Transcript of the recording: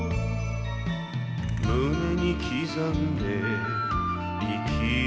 「胸に刻んで生きるとき」